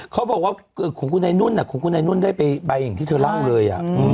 เขาบอกว่าขุนกุนายนุ่นขุนกุนายนุ่นได้ไปอีกที่เธอร่างเลย